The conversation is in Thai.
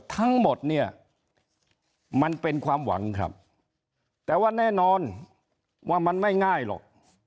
ทั้งหมดเนี่ยมันเป็นความหวังครับแต่ว่าแน่นอนว่ามันไม่ง่ายหรอก